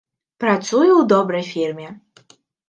Працую ў добрай фірме.